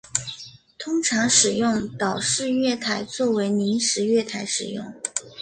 通常使用岛式月台作为临时月台使用。